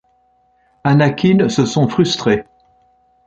Anakin se sent frustré.